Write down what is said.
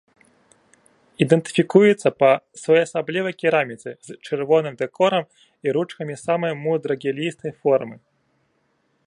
Ідэнтыфікуецца па своеасаблівай кераміцы з чырвоным дэкорам і ручкамі самай мудрагелістай формы.